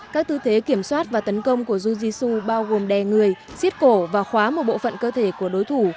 các tư thế kiểm soát và tấn công của jujisu bao gồm đè người xiết cổ và khóa một bộ phận cơ thể của đối thủ